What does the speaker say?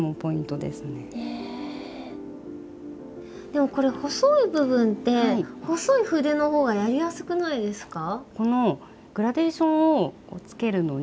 でもこれ細い部分って細い筆の方がやりやすくないですか？